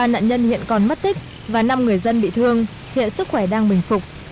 ba nạn nhân hiện còn mất tích và năm người dân bị thương hiện sức khỏe đang bình phục